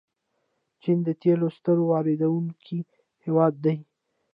چین د تیلو ستر واردونکی هیواد دی.